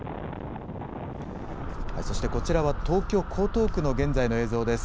そしてこちらは、東京・江東区の現在の映像です。